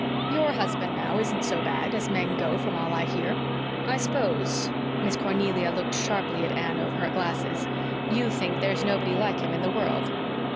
YOUR husband, now, isn't so bad, as men go, from all I hear. I s'pose" Miss Cornelia looked sharply at Anne over her glasses "you think there's nobody like him in the world."